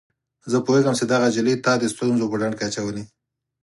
زه پوهیږم چي دغه نجلۍ تا د ستونزو په ډنډ کي اچولی.